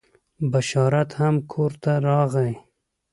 بشارت هم کور ته راغی.